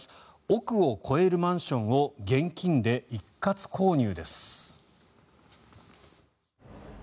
億を超えるマンションを現金で一括購入です。